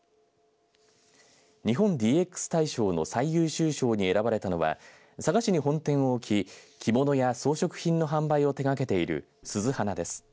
日本ＤＸ大賞の最優秀賞に選ばれたのは佐賀市に本店を置き着物や装飾品の販売を手がけている鈴花です。